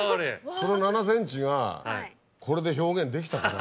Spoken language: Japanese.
この７ｃｍがこれで表現できたか。